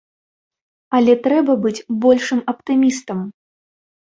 Але трэба быць большым аптымістам!